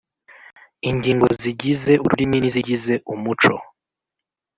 ingingo zigize ururimi n’izigize umuco